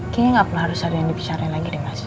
kayaknya enggak pernah harus ada yang dibicarain lagi mas